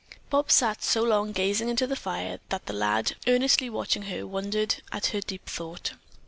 Bobs sat so long gazing into the fire that the lad, earnestly watching her, wondered at her deep thought.